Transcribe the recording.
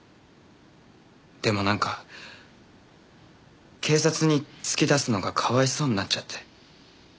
でもなんか警察に突き出すのがかわいそうになっちゃって。